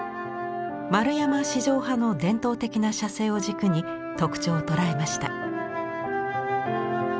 円山四条派の伝統的な写生を軸に特徴を捉えました。